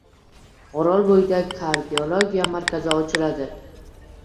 Orolbo‘yida kardiologiya markazi ochiladi